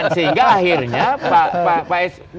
sehingga akhirnya pak sby